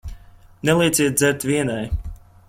Nelieciet dzert vienai.